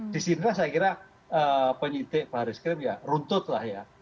di sini saya kira penyintik baharis krim ya runtut lah ya